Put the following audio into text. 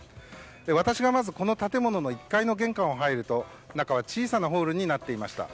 私がまず、この建物の１階の玄関を入ると中は小さなホールになっていました。